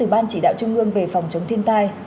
ban chỉ đạo trung ương về phòng chống thiên tai